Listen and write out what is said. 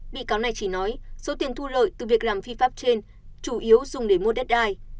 bị cáo này chỉ nói số tiền thu lợi từ việc làm phi pháp trên chủ yếu dùng để mua đất đai